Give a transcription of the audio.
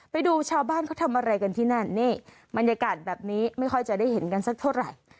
ไปดูชาวบ้านเขาทำอะไรกันที่นั่นนี่บรรยากาศแบบนี้ไม่ค่อยจะได้เห็นกันสักเท่าไหร่